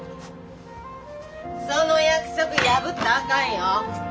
その約束破ったらあかんよ。